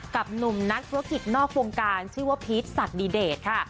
กับหนุ่มนักธุรกิจนอกวงการชื่อว่าพีชสัดดีเดชค่ะ